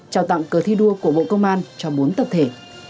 trao tặng cờ thi đua của bộ công an cho bốn tập thể